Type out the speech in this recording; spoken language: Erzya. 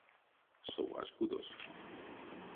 Совась кудос.